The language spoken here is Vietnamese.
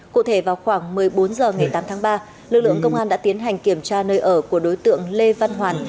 cụ thể vào khoảng một mươi bốn h ngày tám tháng ba lực lượng công an đã tiến hành kiểm tra nơi ở của đối tượng lê văn hoàn